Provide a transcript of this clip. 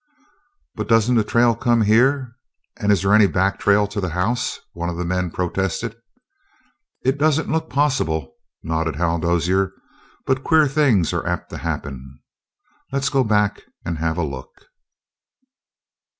"But don't the trail come here? And is there any back trail to the house?" one of the men protested. "It doesn't look possible," nodded Hal Dozier, "but queer things are apt to happen. Let's go back and have a look."